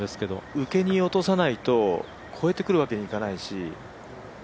受けに落とさないと越えてくるわけにいかないし。